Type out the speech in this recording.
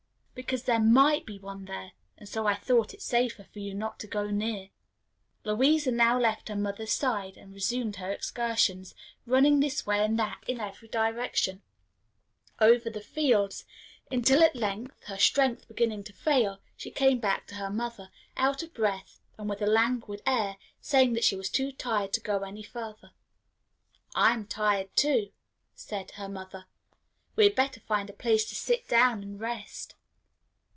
"Because there might be one there, and so I thought it safer for you not to go near." Louisa now left her mother's side and resumed her excursions, running this way and that, in every direction, over the fields, until at length, her strength beginning to fail, she came back to her mother, out of breath, and with a languid air, saying that she was too tired to go any farther. "I am tired, too," said her mother; "we had better find a place to sit down to rest."